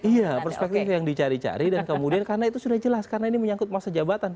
iya perspektif yang dicari cari dan kemudian karena itu sudah jelas karena ini menyangkut masa jabatan